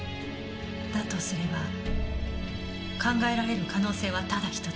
だとすれば考えられる可能性はただ１つ。